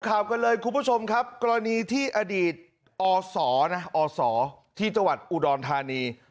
ข่าวกันเลยคุณผู้ชมครับกรณีที่อดีตอศนะอศที่จังหวัดอุดรธานี